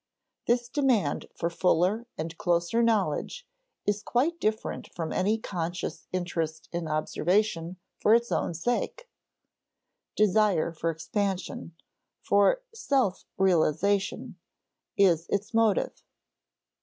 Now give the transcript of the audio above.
This demand for fuller and closer knowledge is quite different from any conscious interest in observation for its own sake. Desire for expansion, for "self realization," is its motive.